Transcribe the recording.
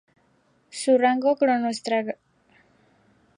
Su rango cronoestratigráfico abarca desde el Paleoceno hasta el Mioceno medio.